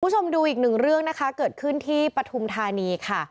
คุณผู้ชมดูอีกหนึ่งเรื่องนะคะเกิดขึ้นที่ปฐุมธานีค่ะ